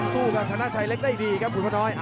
สู้กับธนาชัยเล็กได้ดีครับคุณพ่อน้อย